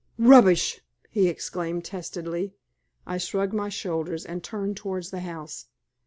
"Rubbish!" he exclaimed, testily. I shrugged my shoulders and turned towards the house.